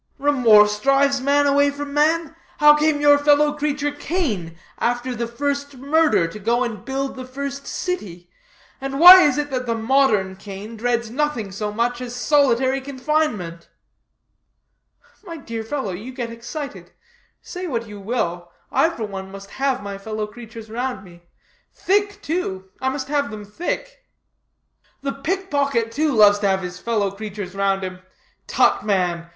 "Remorse drives man away from man? How came your fellow creature, Cain, after the first murder, to go and build the first city? And why is it that the modern Cain dreads nothing so much as solitary confinement? "My dear fellow, you get excited. Say what you will, I for one must have my fellow creatures round me. Thick, too I must have them thick." "The pick pocket, too, loves to have his fellow creatures round him. Tut, man!